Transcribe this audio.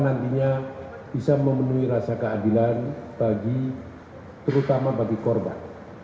nantinya bisa memenuhi rasa keadilan bagi terutama bagi korban